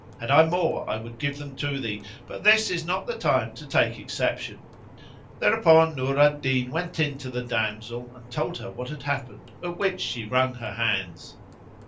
Had I more I would give them to thee, but this is not the time to take exception." Thereupon Nur al Din went in to the damsel and told her what had happened, at which she wrung her hands.